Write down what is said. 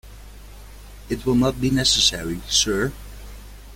It will not be necessary, sir.